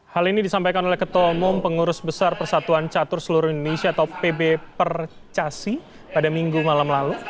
hal ini disampaikan oleh ketua umum pengurus besar persatuan catur seluruh indonesia atau pb percasi pada minggu malam lalu